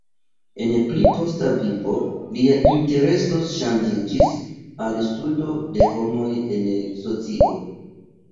En pli posta vivo lia intereso ŝanĝiĝis al studo de homoj en socio.